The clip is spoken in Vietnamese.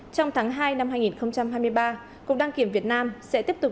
trong tháng hai năm hai nghìn hai mươi ba cục đăng kiểm việt nam sẽ tiếp tục